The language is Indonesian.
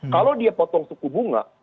kalau dia potong suku bunga